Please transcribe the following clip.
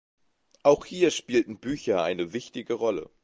Auch hier spielten Bücher eine wichtige Rolle.